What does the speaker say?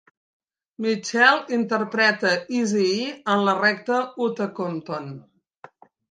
Mitchell interpreta Eazy-E en la recta Outta Compton.